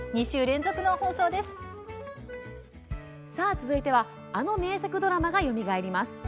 続いてはあの名作ドラマがよみがえります。